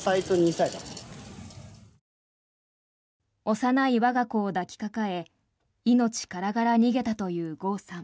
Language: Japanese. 幼い我が子を抱きかかえ命からがら逃げたという郷さん。